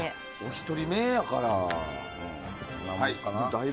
１人目やから。